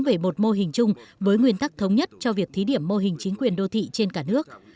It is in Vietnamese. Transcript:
về một mô hình chung với nguyên tắc thống nhất cho việc thí điểm mô hình chính quyền đô thị trên cả nước